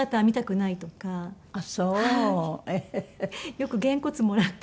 よくげんこつもらって。